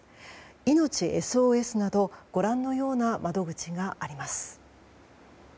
いのちＳＯＳなどご覧のような窓口があります。